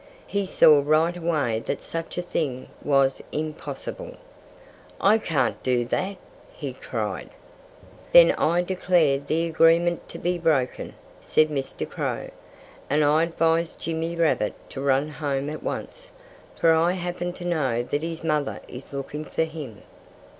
He saw right away that such a thing was impossible. "I can't do that!" he cried. "Then I declare the agreement to be broken," said Mr. Crow. "And I advise Jimmy Rabbit to run home at once, for I happen to know that his mother is looking for him."